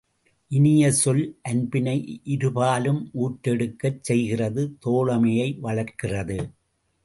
இனிய சொல் அன்பினை இருபாலும் ஊற்றெடுக்கச் செய்கிறது தோழமையை வளர்க்கிறது.